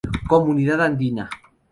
Comunidad Andina.